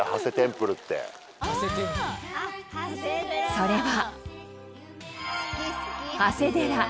それは。